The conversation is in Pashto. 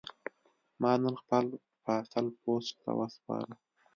ما نن خپل پارسل پوسټ ته وسپاره.